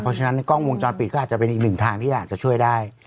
เพราะฉะนั้นกล้องวงจรปิดก็อาจจะเป็นอีกหนึ่งทางที่อาจจะช่วยได้